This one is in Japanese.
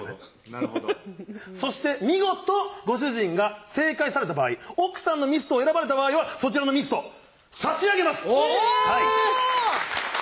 なるほど見事ご主人が正解された場合奥さんのミストを選ばれた場合はそちらのミスト差し上げますえぇ！